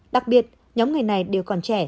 đặc biệt nhóm người này đều còn trẻ